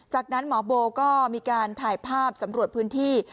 จากนั้นหมอโบก็มีการถ่ายภาพสำรวจพื้นที่